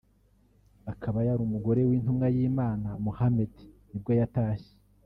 akaba yari umugore w’intumwa y’Imana Mohammed nibwo yatashye